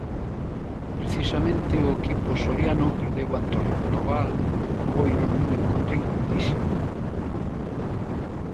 Precisamente o equipo soriano perdeu ante o Rotogal Boiro nun encontro igualadísimo.